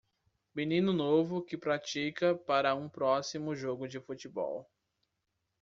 Menino novo que pratica para um próximo jogo de futebol.